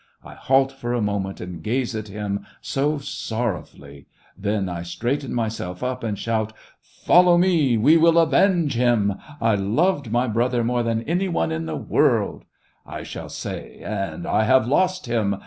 I halt for a mpment, and gaze at him so sorrow fully ; then I straighten myself up and shout :* Follow me ! We will avenge him ! I loved my brother more than any one in the world,' I shall say, 'and I have lost him.